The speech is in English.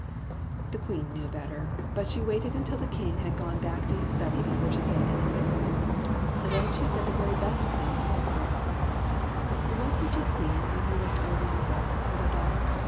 The Queen knew better, but she waited until the King had gone back into his study before she said any thing. Then she said the very best thing possible. " What did you see when you looked over your wall, little daughter